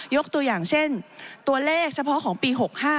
ยกตัวอย่างเช่นตัวเลขเฉพาะของปี๖๕